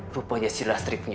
rupanya si lasri punya